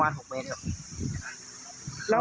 น้ำลึกไหมคะประมาณ๖เมตรนะครับ